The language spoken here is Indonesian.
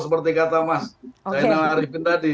seperti kata mas daniel ariefin tadi